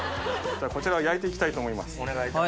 こちらを焼いて行きたいと思います。